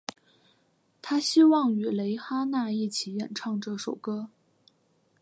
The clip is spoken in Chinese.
她希望与蕾哈娜一起演唱这首歌。